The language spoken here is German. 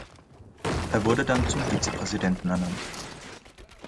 Er wurde dann zum Vizepräsidenten ernannt.